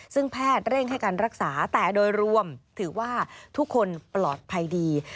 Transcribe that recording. ซึ่งแพทย์เร่งให้การรักษาแต่โดยรวมถือว่าทุกคนปลอดภัยดี